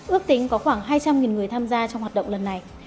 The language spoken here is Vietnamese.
ước tính có khoảng hai trăm linh người tham gia trong hoạt động lần này